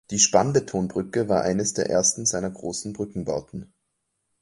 Die Spannbetonbrücke war eines der ersten seiner grossen Brückenbauten.